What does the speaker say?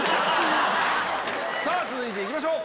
続いて行きましょう！